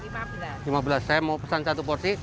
lima belas saya mau pesan satu porsi